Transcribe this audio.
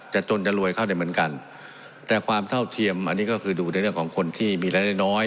จนจะรวยเข้าได้เหมือนกันแต่ความเท่าเทียมอันนี้ก็คือดูในเรื่องของคนที่มีรายได้น้อย